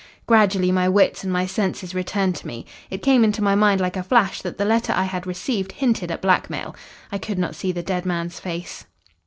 Gradually my wits and my senses returned to me. It came into my mind like a flash that the letter I had received hinted at blackmail. I could not see the dead man's face."